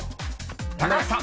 ［高橋さん］